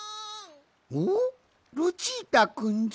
おっルチータくんじゃ！